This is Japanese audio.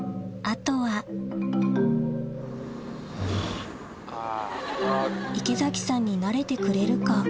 あとは池崎さんになれてくれるか？